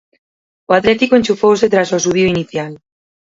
O Atlético enchufouse tras o asubío inicial.